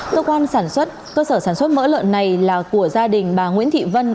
cơ quan sản xuất cơ sở sản xuất mỡ lợn này là của gia đình bà nguyễn thị vân